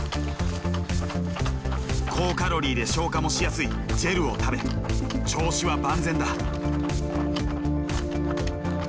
高カロリーで消化もしやすいジェルを食べ調子は万全だ。